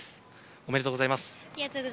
ありがとうございます。